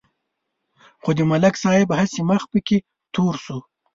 خو د ملک صاحب هسې مخ پکې تور شو.